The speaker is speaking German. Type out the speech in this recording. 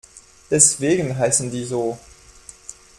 Deswegen heißen die so.